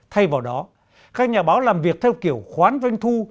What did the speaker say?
thay vào đó các nhà báo làm việc theo kiểu khoán doanh thu